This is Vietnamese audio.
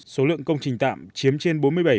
số lượng công trình tạm chiếm trên bốn mươi bảy